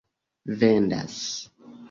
vendas